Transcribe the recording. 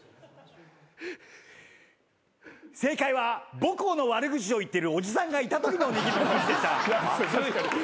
正解は母校の悪口を言ってるおじさんがいたときの握り拳でした。